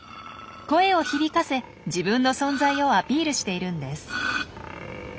声を響かせ自分の存在をアピールしているんです。